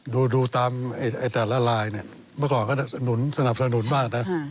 ดูตามแต่ละไลน์เมื่อก่อนก็สนับสนุนมากนะ